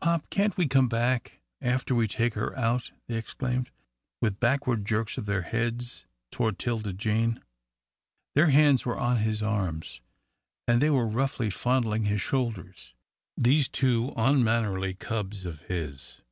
"Pop, can't we come back after we take her out?" they exclaimed, with backward jerks of their heads toward 'Tilda Jane. Their hands were on his arms, and they were roughly fondling his shoulders these two unmannerly cubs of his.